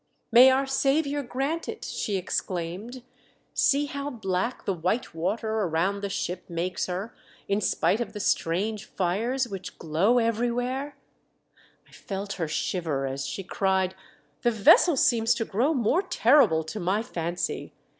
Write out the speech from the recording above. " May our Saviour grant it !" she ex claimed. "See how black the white water around the ship makes her, in spite of the strange fires which glow everywhere 1" I felt her shiver as she cried, " The vessel seems to grow more terrible to my fancy.